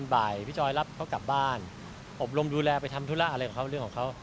บ่ายพี่จอยรับเขากลับบ้านอบรมดูแลไปทำธุระอะไรกับเขาเรื่องของเขา